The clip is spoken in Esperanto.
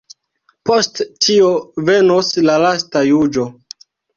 Post tio venos la lasta juĝo.